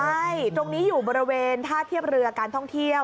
ใช่ตรงนี้อยู่บริเวณท่าเทียบเรือการท่องเที่ยว